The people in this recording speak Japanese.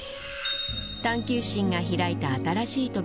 探究心が開いた新しい扉